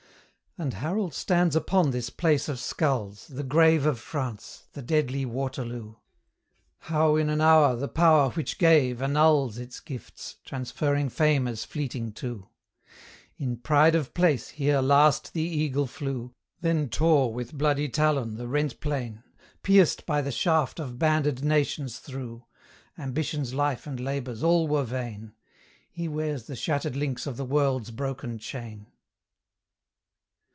And Harold stands upon this place of skulls, The grave of France, the deadly Waterloo! How in an hour the power which gave annuls Its gifts, transferring fame as fleeting too! In 'pride of place' here last the eagle flew, Then tore with bloody talon the rent plain, Pierced by the shaft of banded nations through: Ambition's life and labours all were vain; He wears the shattered links of the world's broken chain.